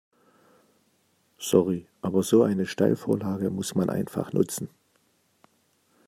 Sorry, aber so eine Steilvorlage muss man einfach nutzen.